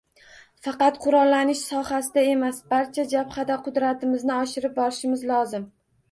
Faqat qurollanish sohasida emas, barcha jabhada qudratimizni oshirib borishimiz lozim